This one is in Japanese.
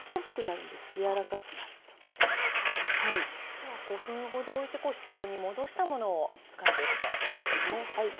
では５分ほど置いて室温に戻したものを使っていくということですね。